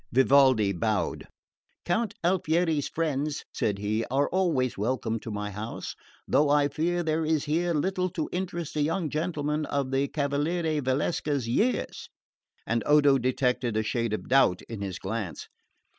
Vivaldi bowed. "Count Alfieri's friends," said he, "are always welcome to my house; though I fear there is here little to interest a young gentleman of the Cavaliere Valsecca's years." And Odo detected a shade of doubt in his glance.